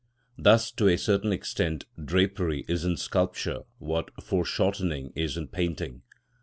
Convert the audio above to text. Thus to a certain extent drapery is in sculpture what fore shortening is in painting.